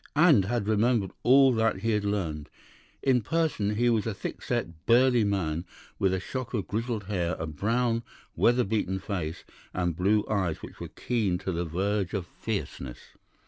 And had remembered all that he had learned. In person he was a thick set, burly man with a shock of grizzled hair, a brown, weather beaten face, and blue eyes which were keen to the verge of fierceness.